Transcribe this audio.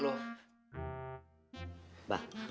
supaya abah lo takut sama umi lo